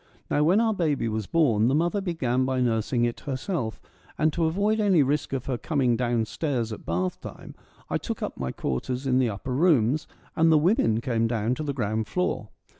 Now when our baby was born, the mother began by nursing it herself, and to avoid any risk of her coming down stairs at bath time, I took up my quarters in the upper rooms, and the women came down to the ground floor.